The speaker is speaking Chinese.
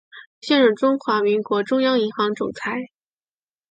现任中华民国中央银行总裁。